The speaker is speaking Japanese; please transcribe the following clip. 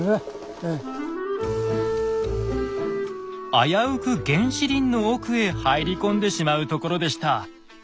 危うく原始林の奥へ入り込んでしまうところでした。